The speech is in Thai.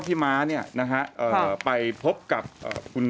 ม้าเนี่ยนะฮะไปพบกับคุณ